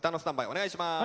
お願いします。